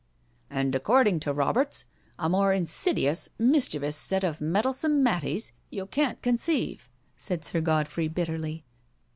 " Andf according to Roberts, a more insidious, mis chievous set of Meddlesome Matties ybu can't con ceive/' said Sir Godfrey bitterly.